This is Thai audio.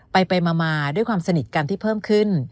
ไปมาด้วยความสนิทกันที่เพิ่มขึ้น